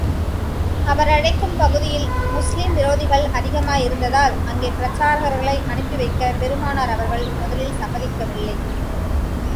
அவர் அழைக்கும் பகுதியில், முஸ்லிம் விரோதிகள் அதிகமாயிருந்ததால், அங்கே பிரச்சாரகர்களை அனுப்பி வைக்கப் பெருமானார் அவர்கள் முதலில் சம்மதிக்கவில்லை.